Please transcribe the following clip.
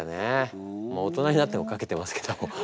大人になってもかけてますけど。